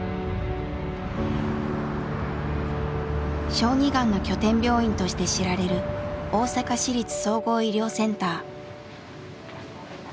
小児がんの拠点病院として知られる大阪市立総合医療センター。